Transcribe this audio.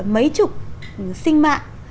mấy chục sinh mạng